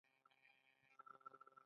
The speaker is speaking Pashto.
آیا دوی ډیر دوستان نلري؟